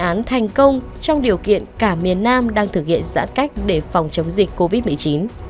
án thành công trong điều kiện cả miền nam đang thực hiện giãn cách để phòng chống dịch covid một mươi chín